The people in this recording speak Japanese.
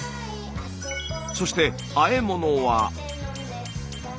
そしてあえ物は。